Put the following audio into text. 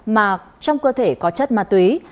mà trong cơ thể có chất ma túy